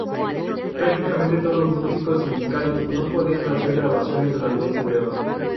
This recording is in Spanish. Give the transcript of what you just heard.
Prácticamente todos los músicos sindicales no podían hacer grabaciones durante ese periodo.